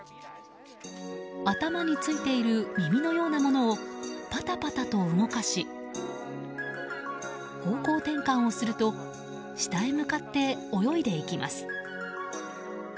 頭についている耳のようなものをパタパタと動かし方向転換をすると下へ向かって泳いでいきます。